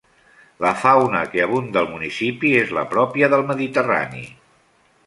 La fauna que abunda al municipi és la pròpia del mediterrani.